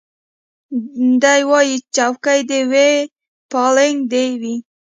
دی وايي څوکۍ دي وي پالنګ دي وي